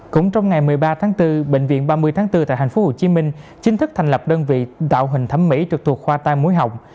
cũng trong ngày một mươi ba tháng bốn bệnh viện ba mươi tháng bốn tại hành phố hồ chí minh chính thức thành lập đơn vị tạo hình thẩm mỹ trực thuộc khoa tai mối hồng